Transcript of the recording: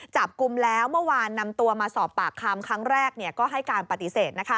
จับกลุ่มแล้วเมื่อวานนำตัวมาสอบปากคำครั้งแรกก็ให้การปฏิเสธ